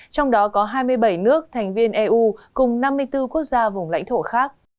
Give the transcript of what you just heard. trong đó có hai mươi bảy nước thành viên eu cùng năm mươi bốn quốc gia vùng lãnh thổ khác